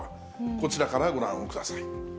こちらからご覧ください。